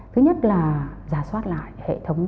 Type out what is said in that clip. thứ nhất là giả soát lại hệ thống